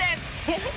「えっ？